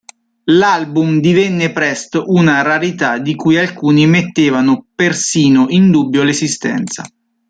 L'album divenne presto una rarità di cui alcuni mettevano persino in dubbio l'esistenza.